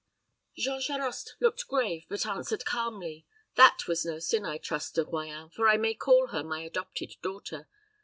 Jean Charost looked grave, but answered calmly, "That was no sin, I trust, De Royans, for I may call her my adopted daughter.